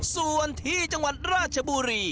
ส่วนที่จังหวัดราชบุรี